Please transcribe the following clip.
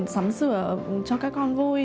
sắm sửa cho các con vui